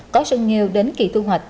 có sân nghêu đến kỳ thu hoạch